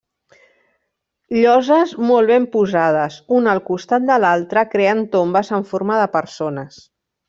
Lloses molt ben posades, una al costat de l'altre creant tombes en forma de persones.